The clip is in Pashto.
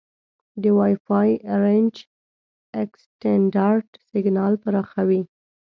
د وای فای رینج اکسټینډر سیګنال پراخوي.